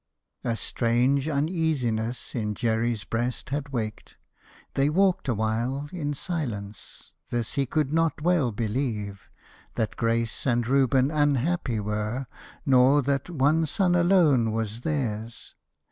A strange uneasiness In Jerry's breast had waked. They walked awhile In silence. This he could not well believe, That Grace and Reuben unhappy were, nor that One son alone was theirs.